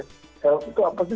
salad itu apa sih